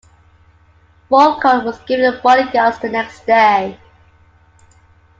Falcone was given bodyguards the next day.